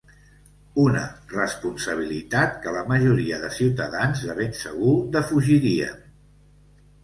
Una responsabilitat que la majoria de ciutadans de ben segur defugiríem.